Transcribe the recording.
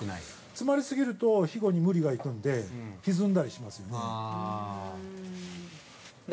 ◆詰まり過ぎるとひごに無理が行くんでひずんだりしますんで。